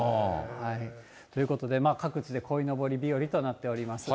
ということで、各地でこいのぼり日和となっております。